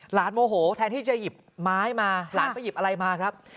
โมโหแทนที่จะหยิบไม้มาหลานไปหยิบอะไรมาครับ